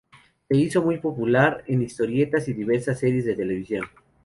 Se hizo muy popular en historietas y diversas series de televisión.